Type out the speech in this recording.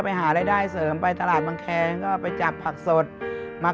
ไปหารายได้เสริมไปตลาดบางแคงก็ไปจับผักสดมา